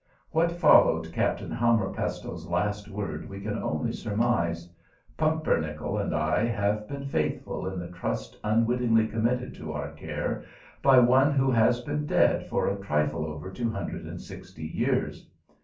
What followed Captain Hammerpestle's last word we can only surmise. Pumpernickel and I have been faithful to the trust unwittingly committed to our care by one who has been dead for a trifle over two hundred and sixty years.